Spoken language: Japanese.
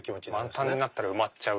満タンになったら埋まっちゃう。